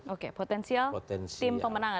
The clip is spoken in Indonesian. oke potensial tim pemenangan